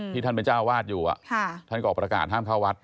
ท่านเป็นเจ้าวาดอยู่ท่านก็ออกประกาศห้ามเข้าวัด